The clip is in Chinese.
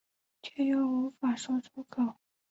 却又无法说出口